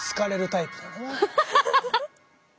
ハハハハハ！